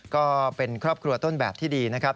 ก็เป็นครอบครัวต้นแบบที่ดีนะครับ